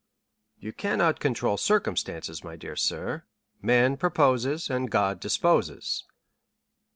"You cannot control circumstances, my dear sir; 'man proposes, and God disposes.